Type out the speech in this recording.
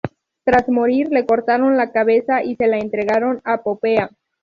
Tras morir, le cortaron la cabeza y se la entregaron a Popea.